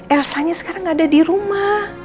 elsanya sekarang ada di rumah